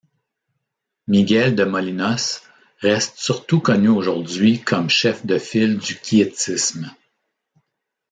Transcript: Miguel de Molinos reste surtout connu aujourd’hui comme chef de file du quiétisme.